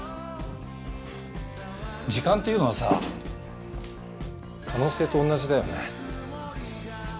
時間っていうのはさ可能性と同じだよね。